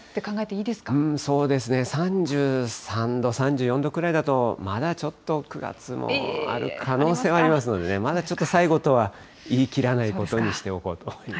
うーん、そうですね、３３度、３４度くらいだと、まだちょっと９月もある可能性はありますのでね、まだちょっと最後とは言い切らないことにしておこうと。